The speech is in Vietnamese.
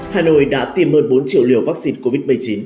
hà nội đã tiêm hơn bốn triệu liều vắc xin covid một mươi chín